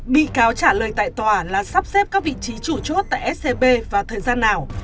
bị cáo trả lời tại tòa là sắp xếp các vị trí chủ chốt tại scb vào thời gian nào